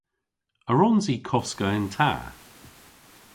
A wrons i koska yn ta?